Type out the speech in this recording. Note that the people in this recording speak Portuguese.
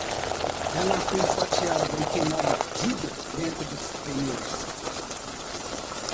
Ela foi fatiada e queimada vida, dentro de pneus